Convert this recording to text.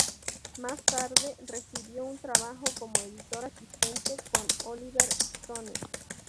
Más tarde, recibió un trabajo como editor asistente con Oliver Stone.